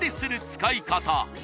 使い方